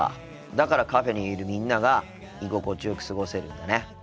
だからカフェにいるみんなが居心地よく過ごせるんだね。